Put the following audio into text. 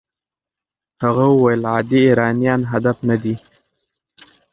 هغه وویل عادي ایرانیان هدف نه دي.